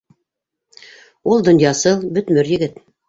Ул донъясыл, бөтмөр егет.